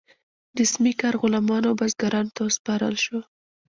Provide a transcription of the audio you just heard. جسمي کار غلامانو او بزګرانو ته وسپارل شو.